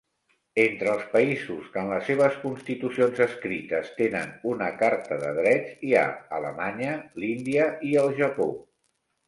Entre els països que en les seves constitucions escrites tenen una carta de drets hi ha Alemanya, l'Índia i el Japó.